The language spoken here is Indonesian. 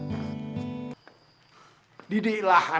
didih lah anak itu untuk jadi orang lainnya ya